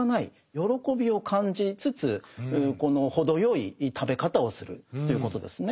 喜びを感じつつこの程よい食べ方をするということですね。